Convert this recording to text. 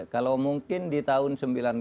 kalau mungkin di tahun sembilan puluh delapan